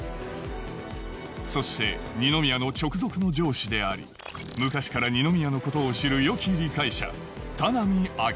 そして二宮の直属の上司であり昔から二宮のことを知る良き理解者